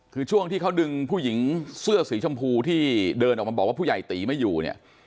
คือช่วงที่เขาดึงผู้หญิงเสื้อสีชมพูที่เดินออกมาบอกว่าผู้ใหญ่ตีไม่อยู่เนี่ย